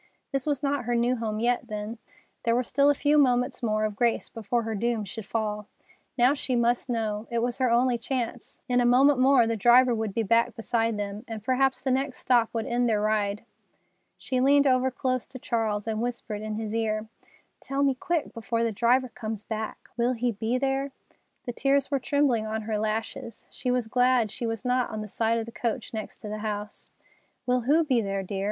This was not her new home yet, then. There were still a few moments more of grace before her doom should fall. Now she must know. It was her only chance. In a moment more the driver would be back beside them, and perhaps the next stop would end their ride. She leaned over close to Charles and whispered in his ear: "Tell me quick before the driver comes back: will he be there?" The tears were trembling on her lashes. She was glad she was not on the side of the coach next to the house. "Will who be there, dear?"